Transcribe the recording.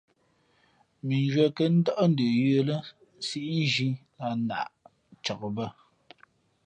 Mʉnzhwīē kα̌ ndάʼ ndə yə̌ lά síʼnzhī lah nāʼ cak bᾱ.